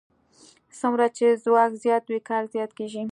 څومره چې ځواک زیات وي کار زیات کېږي.